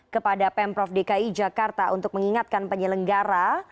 kepada pemprov dki jakarta untuk mengingatkan penyelenggara